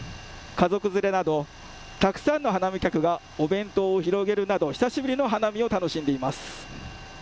家族連れなど、たくさんの花見客がお弁当を広げるなど、久しぶりの花見を楽しんでいます。